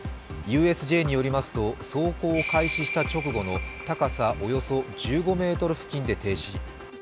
ＵＳＪによりますと走行を開始した直後の高さおよそ１５ｍ付近で停止。